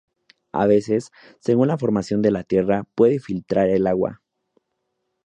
A veces, según la formación de la tierra puede filtrar el agua.